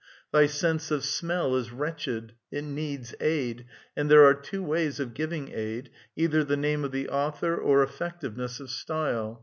Thy sense of smell is wretched; it needs aid, and there are two ways of giving aid, — either the name of the author or effectiveness of style.''